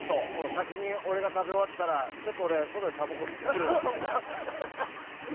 先に俺が食べ終わったらちょっと俺、外でたばこ吸ってくるわって。